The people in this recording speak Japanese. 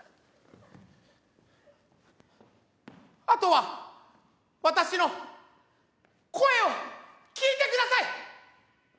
あとは私の声を聞いてください。